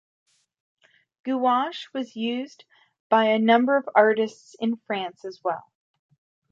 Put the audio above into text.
Gouache was used by a number of artists in France as well.